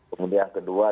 kemudian yang kedua